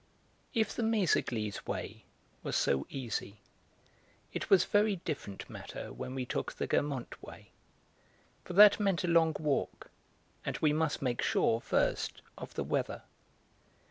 If the 'Méséglise way' was so easy, it was a very different matter when we took the 'Guermantes way,' for that meant a long walk, and we must make sure, first, of the weather.